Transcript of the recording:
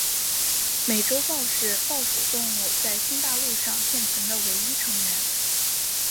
美洲豹是豹属动物在新大陆上现存的唯一成员。